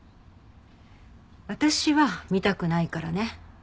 私は見たくないからね。